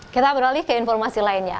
kita beralih ke informasi lainnya